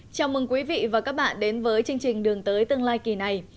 chào mừng quý vị và các bạn đến với chương trình đường tới tương lai kỳ này